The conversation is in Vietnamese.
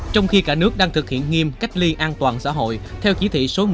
trong khi cả nước đang thực hiện nghiêm cách ly an toàn xã hội theo chỉ thị số một mươi sáu của chính phủ